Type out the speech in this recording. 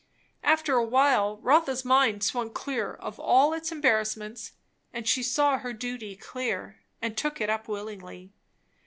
After a while Rotha's mind swung quite clear of all its embarrassments, and she saw her duty clear and took it up willingly.